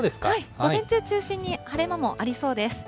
午前中中心に、晴れ間もありそうです。